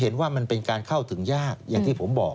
เห็นว่ามันเป็นการเข้าถึงยากอย่างที่ผมบอก